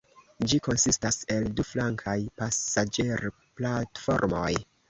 Ĝi konsistas el du flankaj pasaĝerplatformoj.